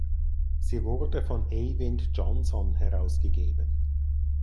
Sie wurde von Eyvind Johnson herausgegeben.